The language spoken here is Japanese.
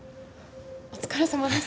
お疲れさまです。